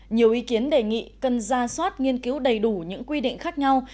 nhiều ý kiến đề nghị cần ra soát nghiên cứu đầy đủ những quy định khác nhau